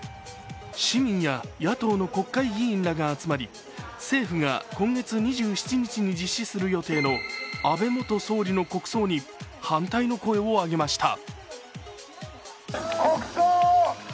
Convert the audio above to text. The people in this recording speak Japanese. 市民や野党の国会議員らが集まり政府が今月２７日に実施する予定の安倍元総理の国葬に反対の声を上げました。